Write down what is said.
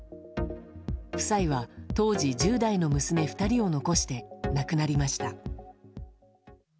夫妻は当時１０代の娘２人を残して亡くなりました。